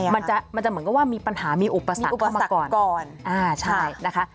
มันจะเหมือนกับว่ามีปัญหามีอุปสรรคเข้ามาก่อน